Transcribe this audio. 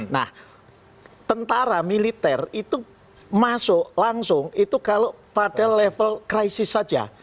nah tentara militer itu masuk langsung itu kalau pada level krisis saja